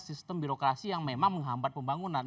sistem birokrasi yang memang menghambat pembangunan